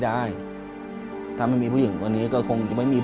รายการต่อไปนี้เป็นรายการทั่วไปสามารถรับชมได้ทุกวัย